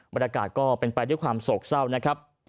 บรรยากาศก็เป็นไปด้วยความโศกเศร้านะครับ